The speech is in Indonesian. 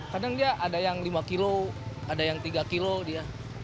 kadang dia ada yang lima kilo ada yang tiga kilo dia